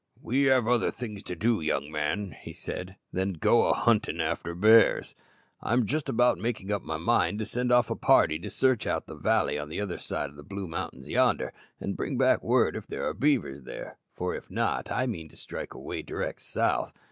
"We have other things to do, young man," said he, "than go a hunting after bears. I'm just about making up my mind to send off a party to search out the valley on the other side of the Blue Mountains yonder, and bring back word if there are beaver there; for if not, I mean to strike away direct south.